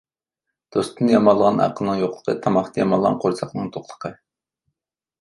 دوستتىن يامانلىغان ئەقىلنىڭ يوقلۇقى، تاماقتىن يامانلىغان قورساقنىڭ توقلۇقى.